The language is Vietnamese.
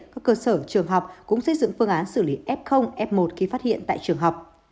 các cơ sở trường học cũng xây dựng phương án xử lý f f một khi phát hiện tại trường học